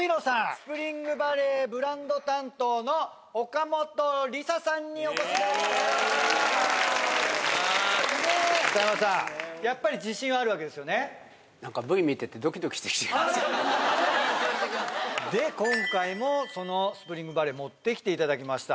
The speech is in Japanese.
スプリングバレーブランド担当の岡本理沙さんにお越しいただきましたで今回もそのスプリングバレー持ってきていただきました